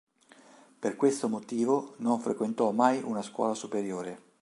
Per questo motivo, non frequentò mai una scuola superiore.